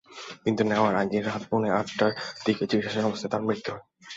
কিন্তু নেওয়ার আগেই রাত পৌনে আটটার দিকে চিকিৎসাধীন অবস্থায় তার মৃত্যু হয়।